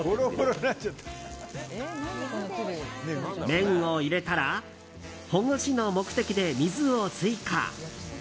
麺を入れたらほぐしの目的で水を追加。